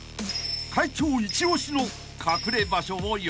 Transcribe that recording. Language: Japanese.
［会長一押しの隠れ場所を用意］